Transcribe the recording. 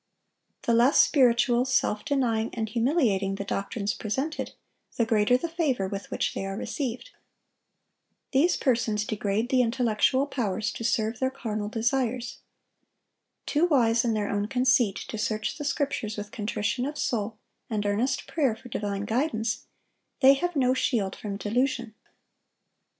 The less spiritual, self denying, and humiliating the doctrines presented, the greater the favor with which they are received. These persons degrade the intellectual powers to serve their carnal desires. Too wise in their own conceit to search the Scriptures with contrition of soul and earnest prayer for divine guidance, they have no shield from delusion.